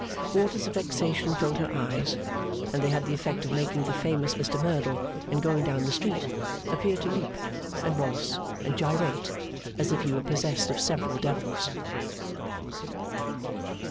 Waters of vexation filled her eyes; and they had the effect of making the famous Mr Merdle, in going down the street, appear to leap, and waltz, and gyrate, as if he were possessed of several Devils.